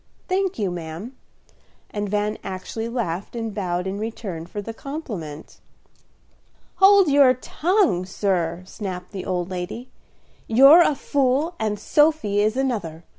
"Thank you, ma'am." And Van actually laughed and bowed in return for the compliment. "Hold your tongue, sir," snapped the old lady. "You're a fool and Sophy is another.